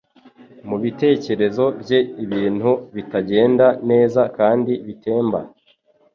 Mubitekerezo bye ibintu bitagenda neza kandi bitemba